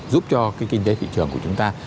giúp cho cái kinh tế thị trường của chúng ta